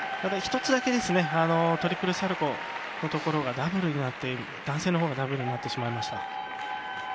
１つだけトリプルサルコーのところが男性のほうがダブルになってしまいました。